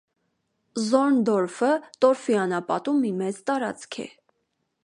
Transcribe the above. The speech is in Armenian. Զորնդորֆը տորֆի անապատում մի մեծ տարածք է։